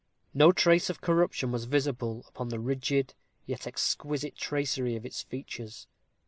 No trace of corruption was visible upon the rigid, yet exquisite tracery of its features.